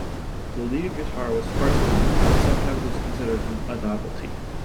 The lead guitar was sparsely used, and sometimes was considered a novelty.